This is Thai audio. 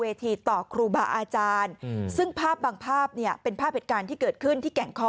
ต่อครูบาอาจารย์ซึ่งภาพบางภาพเนี่ยเป็นภาพเหตุการณ์ที่เกิดขึ้นที่แก่งคอ